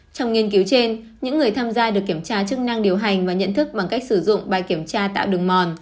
trong nghiên cứu trên những người tham gia được kiểm tra chức năng điều hành và nhận thức bằng cách sử dụng bài kiểm tra tạo đường mòn